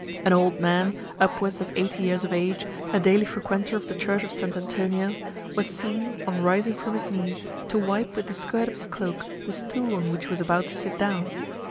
An old man, upwards of eighty years of age, a daily frequenter of the church of St. Antonio, was seen, on rising from his knees, to wipe with the skirt of his cloak the stool on which he was about to sit down.